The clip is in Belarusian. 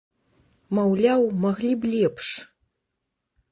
Маўляў, маглі б лепш.